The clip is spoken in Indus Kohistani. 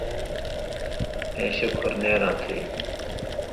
اېں شُکھُر نېراں تھو یی؟